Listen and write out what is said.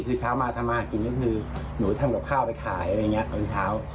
คือเช้ามาทำมากินก็คือหนูทำกับข้าวไปขายอะไรอย่างนี้ตอนเช้า